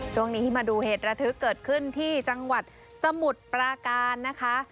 ช่วงนี้ที่มาดูเหตุระทึกเกิดขึ้นที่จังหวัดสมุทรปราการนะคะ